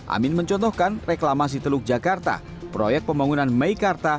amin mencontohkan reklamasi teluk jakarta proyek pembangunan meikarta